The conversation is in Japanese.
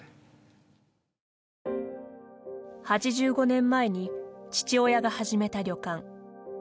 ８５年前に父親が始めた旅館。